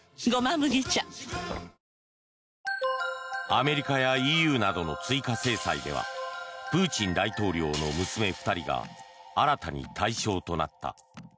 アメリカやＥＵなどの追加制裁ではプーチン大統領の娘２人が新たに対象となった。